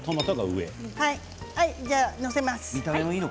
じゃあ載せます。